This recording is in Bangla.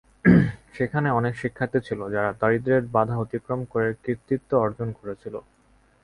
সেখানে অনেক শিক্ষার্থী ছিল, যারা দারিদ্র্যের বাধা অতিক্রম করে কৃতিত্ব অর্জন করেছিল।